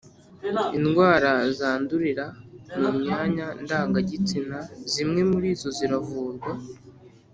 Indwara zandurira mu myanya ndangagitsina zimwe murizo ziravurwa